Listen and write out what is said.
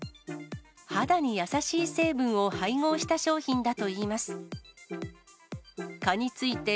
肌に優しい成分を配合した商品だといいます。